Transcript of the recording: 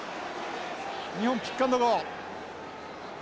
日本ピックアンドゴー。